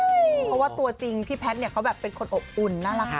เพราะว่าตัวจริงพี่แพทย์เนี่ยเขาแบบเป็นคนอบอุ่นน่ารัก